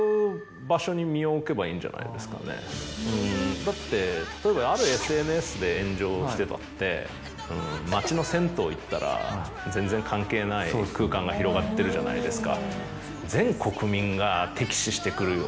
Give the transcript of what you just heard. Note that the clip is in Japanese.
だって例えばあるＳＮＳで炎上してたって町の銭湯行ったら全然。が広がってるじゃないですか。